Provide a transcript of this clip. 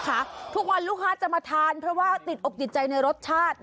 ทุกวันลูกค้าจะมาทานเพราะว่าติดอกติดใจในรสชาติ